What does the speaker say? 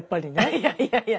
いやいやいや。